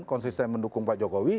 konsisten mendukung pak jokowi